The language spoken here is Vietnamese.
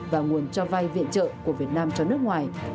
và nguồn cho vay viện trợ của việt nam cho nước ngoài